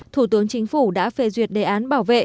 thủ tướng chính phủ đã phê duyệt đề án bảo vệ